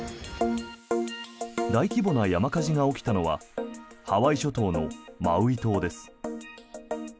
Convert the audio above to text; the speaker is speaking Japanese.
大規模な山火事が起きたのはハワイ諸島のマウイ島です。